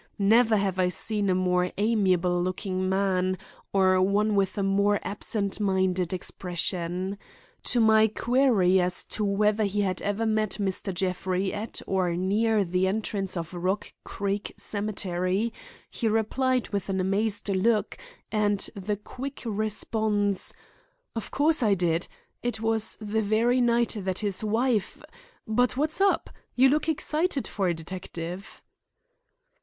Never have I seen a more amiable looking man, or one with a more absentminded expression. To my query as to whether he had ever met Mr. Jeffrey at or near the entrance of Rock Creek Cemetery, he replied with an amazed look and the quick response: "Of course I did. It was the very night that his wife— But what's up? You look excited for a detective."